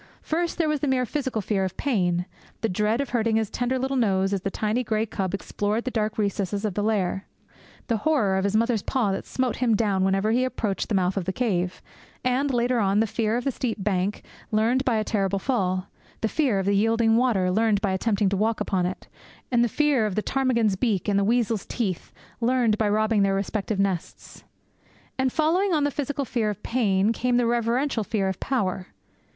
First there was the mere physical fear of Pain; the dread of hurting his tender little nose as the tiny grey cub explored the dark recesses of the lair; the horror of his mother's paw that smote him down whenever he approached the mouth of the cave; and, later on, the fear of the steep bank, learned by a terrible fall; the fear of the yielding water, learned by attempting to walk upon it; and the fear of the ptarmigan's beak and the weasel's teeth, learned by robbing their respective nests. And following on the physical fear of Pain came the reverential fear of Power.